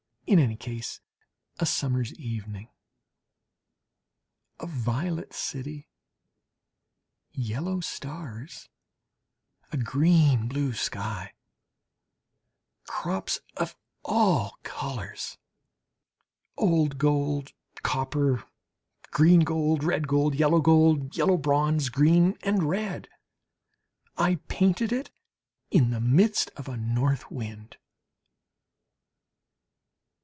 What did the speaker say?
In any case, a summer's evening. A violet city, yellow stars, a green blue sky, crops of all colours, old gold, copper, green gold, red gold, yellow gold, yellow bronze, green and red. I painted it in the midst of a North wind.